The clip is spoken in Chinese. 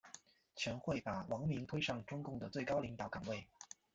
全会把王明推上中共的最高领导岗位。